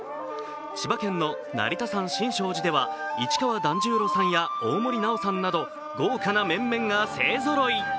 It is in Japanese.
千葉県の成田山新勝寺では市川團十郎さんや大森南朋さんなど豪華な面々が勢ぞろい。